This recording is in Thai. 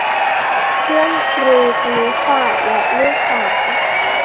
เพื่อนครูคณิตศาสตร์และลูกสาว